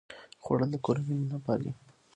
خوړل د کورنۍ مینه پالي